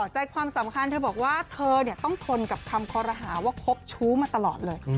ใจความสำคัญเธอบอกว่าเธอต้องทนกับคำคอรหาว่าคบชู้มาตลอดเลย